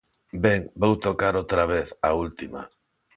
Ben, vou tocar outra vez, a última.